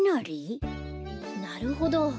なるほど。